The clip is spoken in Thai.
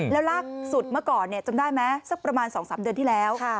แล้วล่าสุดเมื่อก่อนจำได้ไหมสักประมาณ๒๓เดือนที่แล้ว